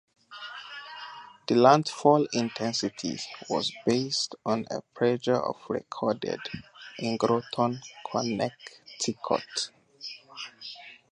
The landfall intensity was based on a pressure of recorded in Groton, Connecticut.